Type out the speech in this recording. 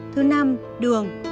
thứ năm đường